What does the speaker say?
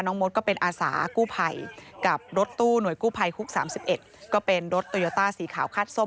มดก็เป็นอาสากู้ภัยกับรถตู้หน่วยกู้ภัยฮุก๓๑ก็เป็นรถโตโยต้าสีขาวคาดส้ม